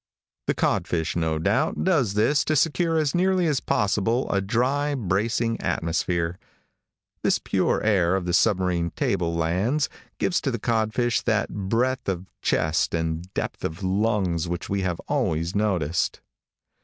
The codfish, no doubt, does this to secure as nearly as possible a dry, bracing atmosphere. This pure air of the submarine table lands gives to the codfish that breadth of chest and depth of lungs which we have always noticed.